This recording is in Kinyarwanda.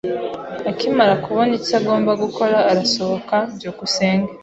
Akimara kubona icyo agomba gukora, arasohoka. byukusenge